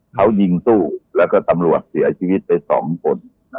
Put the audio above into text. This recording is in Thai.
เค้ายิงตู้และก็เสียชีวิตไปสองคน